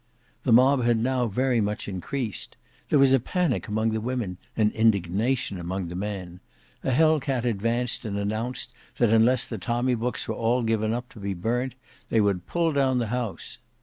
The mob had now very much increased. There was a panic among the women, and indignation among the men: a Hell cat advanced and announced that unless the tommy books were all given up to be burnt, they would pull down the house.